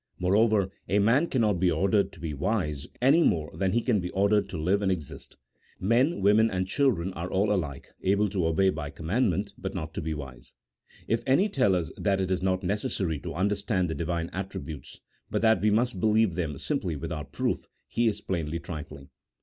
Moreover, a man cannot be ordered to be wise any more than he can be ordered to live and exist. Men, women, and children are all alike able to obey by commandment, but not to be wise. If any tell us that it is not necessary to understand the Divine attributes, but that we must believe them simply without proof, he is plainly trifling.